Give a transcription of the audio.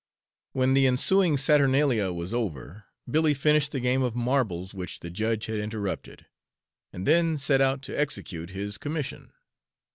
When the ensuing saturnalia was over, Billy finished the game of marbles which the judge had interrupted, and then set out to execute his commission.